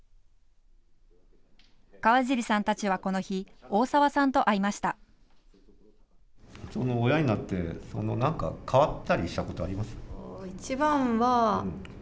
河尻さんたちはこの日、大澤さんと会いました。